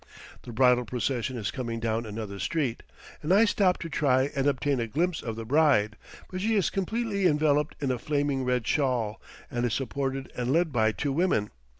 The bridal procession is coming down another street, and I stop to try and obtain a glimpse of the bride; but she is completely enveloped in a flaming red shawl, and is supported and led by two women.